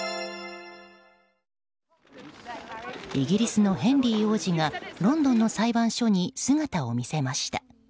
イギリスのヘンリー王子がロンドンの裁判所に姿を見せました。